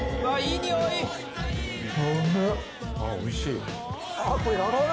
おいしい。